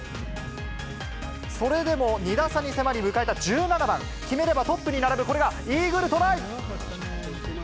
それでも２打差に迫り、迎えた１７番、決めればトップに並ぶ、これがイーグルトライ。